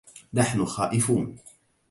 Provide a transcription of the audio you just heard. نحن خائفون